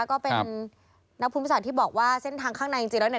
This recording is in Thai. ก็เป็นนักภูมิศาสตร์ที่บอกว่าเส้นทางข้างในจริงแล้วเนี่ย